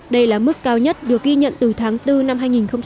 đây là mức cao nhất được ghi nhận từ tháng bốn năm hai nghìn một mươi một